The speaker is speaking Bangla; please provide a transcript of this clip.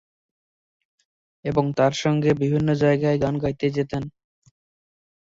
এবং তার সঙ্গেই বিভিন্ন জায়গায় গান গাইতে যেতেন।